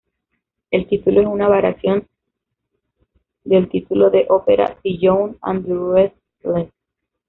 El título es una variación del título de Opera "The Young and the Restless".